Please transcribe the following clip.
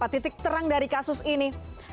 titik terang dari kasus ini